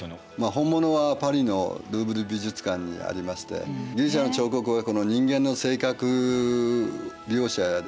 本物はパリのルーブル美術館にありましてギリシアの彫刻は人間の性格描写やですね